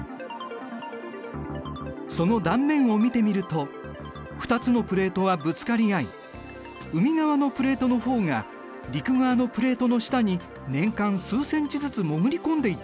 その断面を見てみると２つのプレートはぶつかり合い海側のプレートの方が陸側のプレートの下に年間数ｃｍずつ潜り込んでいっている。